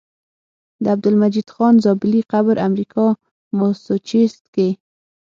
د عبدالمجيد خان زابلي قبر امريکا ماسوچست کي